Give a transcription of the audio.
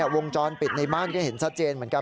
วงจรปิดในบ้านก็เห็นชัดเจนเหมือนกัน